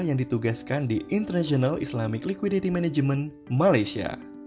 yang ditugaskan di international islamic liquidity management malaysia